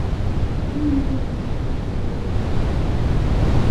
إن وجها رأيته ليلة السب